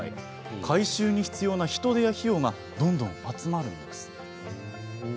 改修に必要な人手や費用がどんどん集まるんです。